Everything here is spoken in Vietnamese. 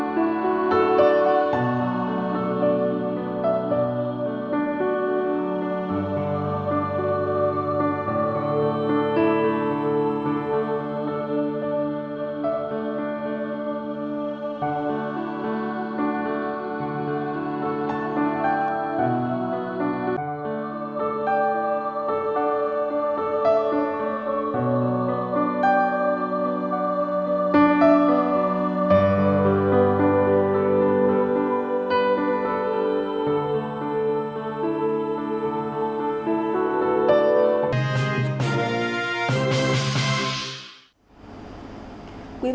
quý vị và các bạn đang theo dõi chương trình an ninh ngày mới được phát sóng vào lúc sáu h sáng hàng ngày trên anntv